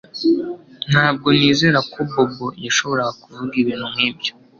Ntabwo nizera ko Bobo yashoboraga kuvuga ibintu nkibyo